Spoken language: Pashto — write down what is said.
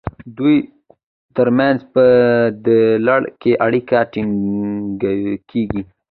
د دوی ترمنځ په دې لړ کې اړیکې ټینګیږي.